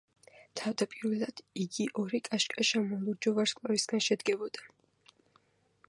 თავდაპირველად, იგი ორი კაშკაშა მოლურჯო ვარსკვლავისგან შედგებოდა.